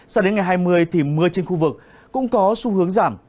sao đến ngày hai mươi thì mưa trên khu vực cũng có xu hướng giảm